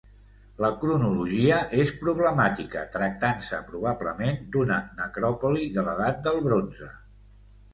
La cronologia és problemàtica, tractant-se probablement d'una necròpoli de l'Edat del Bronze.